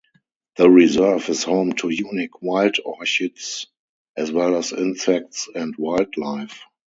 The reserve is home to unique wild orchids, as well as insects and wildlife.